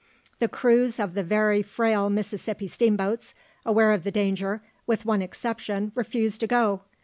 The crews of the very frail Mississippi steamboats, aware of the danger, with one exception, refused to go.